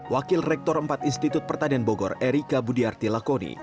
wakil rektor empat institut pertanian bogor erika budiarti lakoni